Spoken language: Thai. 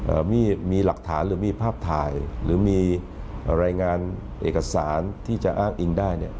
มีมีหลักฐานหรือมีภาพถ่ายหรือมีอะไรรายงานเอกสารที่จะอ้างอิงได้เนี่ย